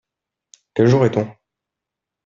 Quel jour est-on ?